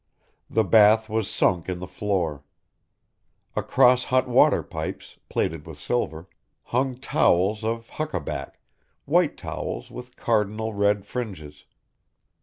The bath was sunk in the floor. Across hot water pipes, plated with silver, hung towels of huck a back, white towels with cardinal red fringes.